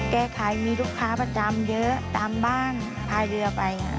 แก้ไขมีลูกค้าประจำเยอะตามบ้านพายเรือไป